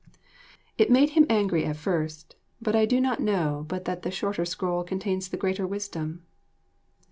It made him angry at first, but I do not know but that the shorter scroll contains the greater wisdom.